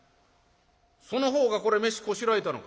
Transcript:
その方がこれ飯こしらえたのか？」。